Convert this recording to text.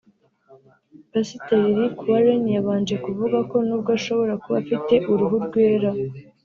Pasiteri Rick Warren yabanje kuvuga ko nubwo ashobora kuba afite uruhu rwera